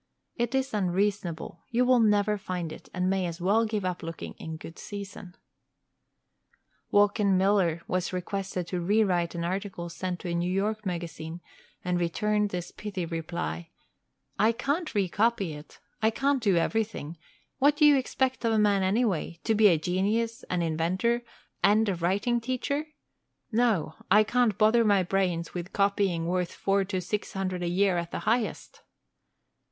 It is unreasonable; you will never find it, and may as well give up looking in good season. "Waukeen" Miller was requested to rewrite an article sent to a New York magazine and returned this pithy reply: "I can't re copy it. I can't do everything. What do you expect of a man, anyway to be a genius, an inventor, and a writing teacher? No, I can't bother my brains with copying worth four to six hundred a year at the highest."